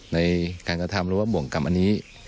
ในการกระทำบ่งกรรมอันนี้